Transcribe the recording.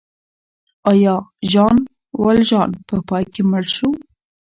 آیا ژان والژان په پای کې مړ شو؟